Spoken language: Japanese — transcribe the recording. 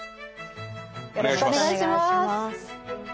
よろしくお願いします。